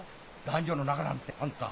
「男女の仲」なんてあんた。